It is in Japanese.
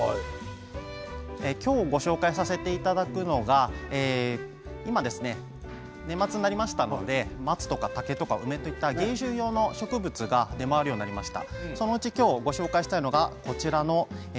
今日ご紹介させていただくのが年末になりましたので松とか竹とか梅といった年始用のものが出回るようになりました。